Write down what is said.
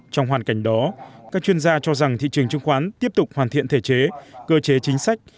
trong hoàn cảnh đó các chuyên gia cho rằng thị trường chứng khoán tiếp tục hoàn thiện thể chế cơ chế chính sách